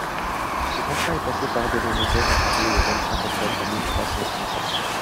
Ce contrat est passé par-devant notaire à Paris le vingt-cinq octobre mille trois cent trente-sept.